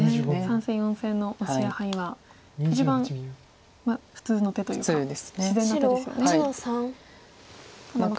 ３線４線のオシやハイは一番普通の手というか自然な手ですよね。